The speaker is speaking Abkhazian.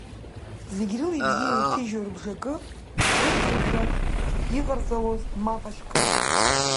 Зегь рыла ибзианы иҭыжьу рыбжакы црыҵқәоушәа иҟарҵалоз мап ацәкра…